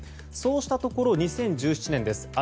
そうしたところ２０１７年です。